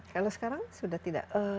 kalau sekarang sudah tidak